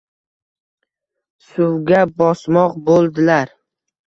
Suvga bosmoq bo’ldilar.